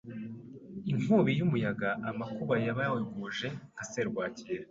inkubi y’umuyaga amakuba yabayogoje nka serwakira